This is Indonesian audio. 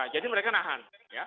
jadi mereka nahan